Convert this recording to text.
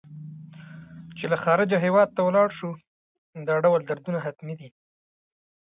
چې له خارجه هېواد ته ولاړ شو دا ډول دردونه حتمي دي.